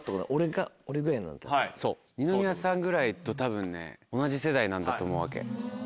二宮さんぐらいとたぶんね同じ世代なんだと思うわけ。